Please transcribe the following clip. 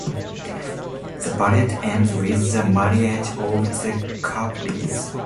The ballet ends with the marriages of the couples.